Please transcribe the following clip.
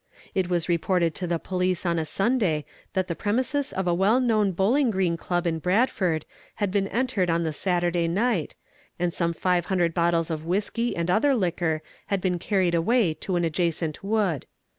It was reported to the police on a Sunday that the premises of a — well known bowling green club in Bradford had been entered on the — Saturday night, and some five hundred bottles of whisky and other liquor ~ had been carried away to an adjacent wood.